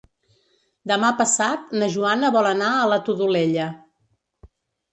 Demà passat na Joana vol anar a la Todolella.